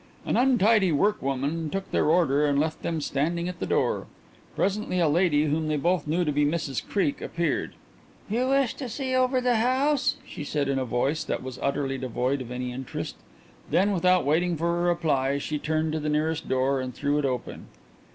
An untidy workwoman took their order and left them standing at the door. Presently a lady whom they both knew to be Mrs Creake appeared. "You wish to see over the house?" she said, in a voice that was utterly devoid of any interest. Then, without waiting for a reply, she turned to the nearest door and threw it open.